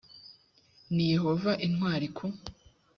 ni yehova intwari ku